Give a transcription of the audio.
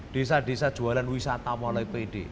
desa desa jualan wisata mulai pede